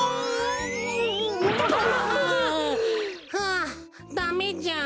あダメじゃん。